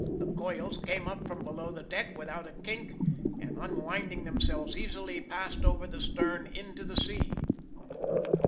The coils came up from below the deck without a kink, and, unwinding themselves easily, passed over the stern into the sea.